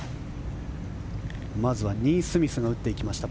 まずはニースミスが打っていきました